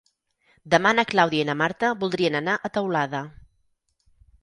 Demà na Clàudia i na Marta voldrien anar a Teulada.